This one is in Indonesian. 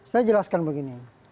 saya jelaskan begini